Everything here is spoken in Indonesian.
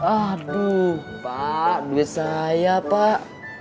aduh pak duit saya pak